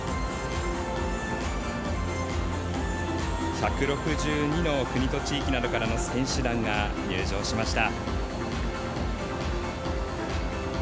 １６２の国と地域などからの選手団が入場しました。